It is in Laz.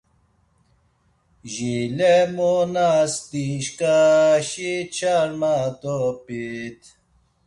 Jilemonas dişǩaşi ç̌arma dop̌it.